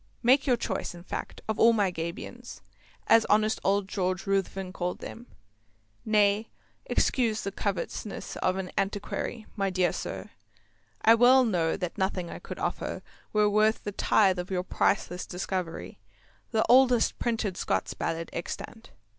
Make your choice, in fact, of all my Gabions, as honest old George Ruthven called them. Nay, excuse the covetousness of an Antiquary, my dear sir; I well know that nothing I could offer were worth a tithe of your priceless discovery, the oldest printed Scots Ballad extant.